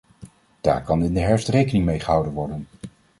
Daar kan in de herfst rekening mee gehouden worden.